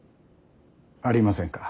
ありませんか。